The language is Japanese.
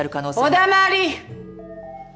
お黙り！